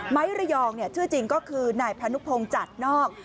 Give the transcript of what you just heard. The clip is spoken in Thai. ไหม่ระยองเชื่อจริงก็คือหน่ายพนุภงจัดนอก